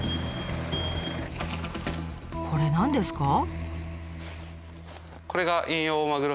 これ何ですか？